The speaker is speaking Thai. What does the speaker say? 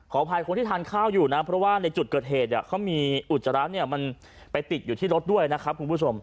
อภัยคนที่ทานข้าวอยู่นะเพราะว่าในจุดเกิดเหตุเขามีอุจจาระเนี่ยมันไปติดอยู่ที่รถด้วยนะครับคุณผู้ชม